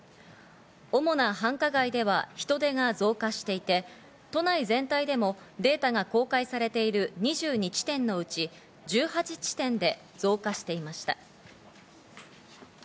主な繁華街では人出が増加しており、都内全体でもデータが公開されている２２地点のうち、１８地点で増加していました。